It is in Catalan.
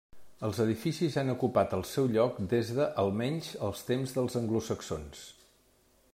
Els edificis han ocupat el seu lloc des de, almenys els temps dels anglosaxons.